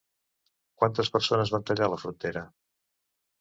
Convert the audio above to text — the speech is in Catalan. Quantes persones van tallar la frontera?